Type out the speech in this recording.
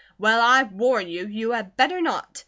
"Well, I warn you, you had better not!